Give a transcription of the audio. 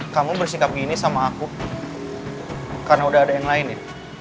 kamu bersikap gini sama aku karena udah ada yang lain nih